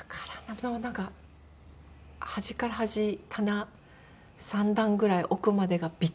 でもなんか端から端棚３段ぐらい奥までがビッチリっていう。